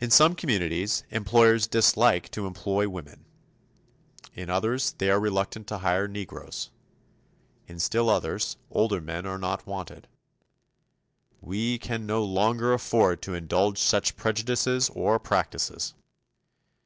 In some communities, employers dislike to employ women. In others they are reluctant to hire Negroes. In still others, older men are not wanted. We can no longer afford to indulge such prejudices or practices.